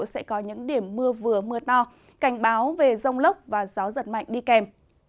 sẽ có những điểm mưa vừa mưa to cảnh báo về rông lốc và gió giật mạnh đi kèm